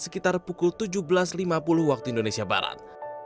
sekitar pukul tujuh belas lima puluh waktu indonesia barat